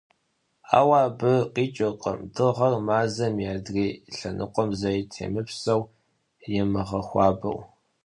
Ауэ абы къикӏыркъым Дыгъэр Мазэм и адрей лъэныкъуэм зэи темыпсэу, имыгъэхуабэу.